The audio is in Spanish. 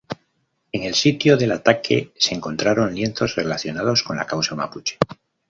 En el sitio del ataque se encontraron lienzos relacionados con la causa mapuche.